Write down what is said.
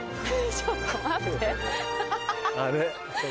ちょっと待ってハハハ！